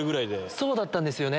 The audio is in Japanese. そうだったんですよね。